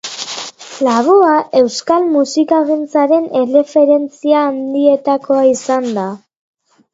Laboa euskal musikagintzaren erreferentzia handienetakoa izan da